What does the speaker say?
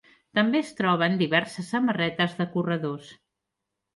També es troben diverses samarretes de corredors.